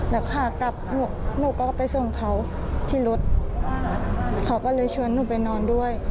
แล้วขากลับหนูก็ไปส่งเขาที่รถเขาก็เลยชวนหนูไปนอนด้วย